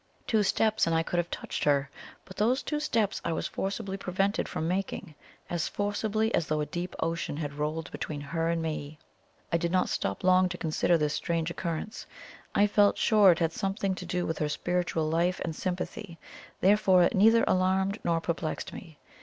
Two steps, and I could have touched her; but those two steps I was forcibly prevented from making as forcibly as though a deep ocean had rolled between her and me. I did not stop long to consider this strange occurrence I felt sure it had something to do with her spiritual life and sympathy, therefore it neither alarmed nor perplexed me.